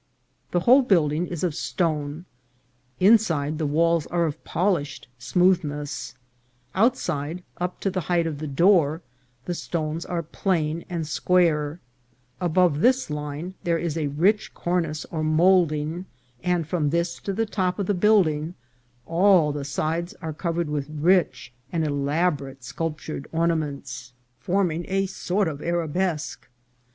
The whole building is of stone ; inside, the walls are of polished smoothness ; outside, up to the height of the door, the stones are plain and square ; above this line there is a rich cornice or moulding, and from this to the top of the building all the sides are covered with rich and elaborate sculptured ornaments, 422 INCIDENTS OF TRAVEL. forming a sort of arabesque.